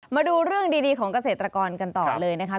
มาดูเรื่องดีของเกษตรกรกันต่อเลยนะคะ